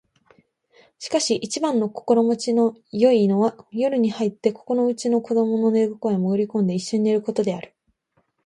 しかし一番心持ちの好いのは夜に入ってここのうちの子供の寝床へもぐり込んで一緒に寝る事である